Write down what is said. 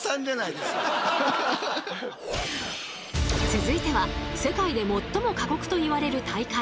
続いては世界で最も過酷といわれる大会